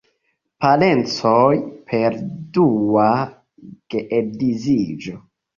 Parencoj per dua geedziĝo.